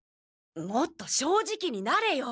もっと正直になれよ。